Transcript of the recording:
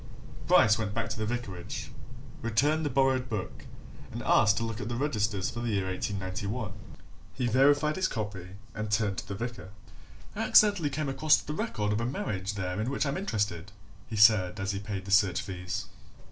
Bryce went back to the vicarage, returned the borrowed book, and asked to look at the registers for the year 1891. He verified his copy and turned to the vicar. "I accidentally came across the record of a marriage there in which I'm interested," he said as he paid the search fees.